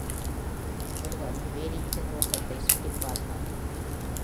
சிறுவன் பேரீச்சை தோட்டத்தை சுற்றிப் பார்த்தான்